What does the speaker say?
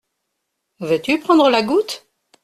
Veux-tu prendre la goutte ?